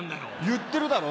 言ってるだろ？